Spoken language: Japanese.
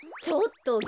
ちょっと！